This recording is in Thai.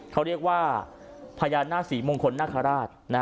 เขาเรียกว่าพญานาคศรีมงคลนาคาราช